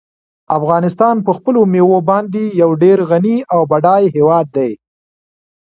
افغانستان په خپلو مېوو باندې یو ډېر غني او بډای هېواد دی.